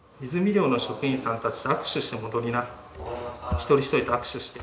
一人一人と握手して。